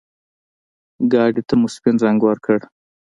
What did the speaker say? ګاډي ته مو سپين رنګ ورکړ.